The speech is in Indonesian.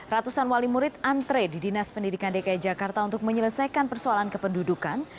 ratusan wali murid antre di dinas pendidikan dki jakarta untuk menyelesaikan persoalan kependudukan